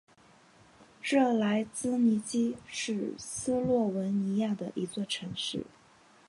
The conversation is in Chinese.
热莱兹尼基是斯洛文尼亚的一座城市。